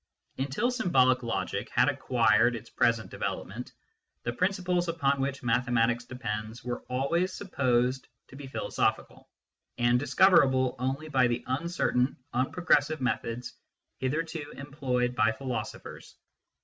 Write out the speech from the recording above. Until symbolic logic had acquired its present develop ment, the principles upon which mathematics depends were always supposed to be philosophical, and discover able only by the uncertain, unprogressive methods hitherto employed by philosophers.